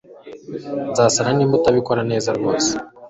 Nzasara niba utabikora neza rwose